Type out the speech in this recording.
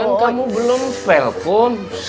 kan kamu belum pel kum